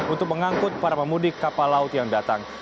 untuk mengangkut para pemudik kapal laut yang datang